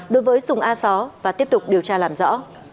đối với súng a xó và tiếp tục điều tra làm rõ